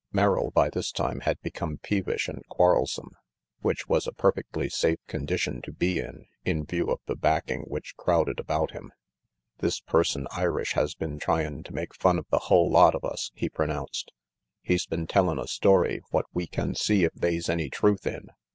Merrill by this time had become peevish and quarrelsome, which was a perfectly safe condition to be in, in view of the backing which crowded about him. "This person Irish has been tryin' to make fun of the hull lot of us," he pronounced. "He's been tellin' a story what we can see if they's any truth in.